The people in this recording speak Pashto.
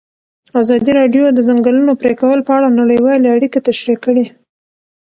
ازادي راډیو د د ځنګلونو پرېکول په اړه نړیوالې اړیکې تشریح کړي.